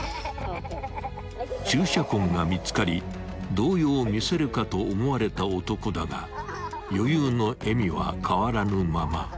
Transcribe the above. ［注射痕が見つかり動揺を見せるかと思われた男だが余裕の笑みは変わらぬまま］